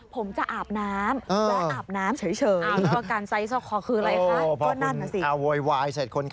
ผมจะอาบน้ำแล้วอาบน้ำเฉย